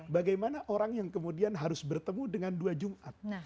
bagaimana orang yang kemudian harus bertemu dengan dua jumat